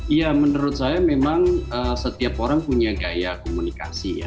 iya menurut saya memang setiap orang punya gaya komunikasi ya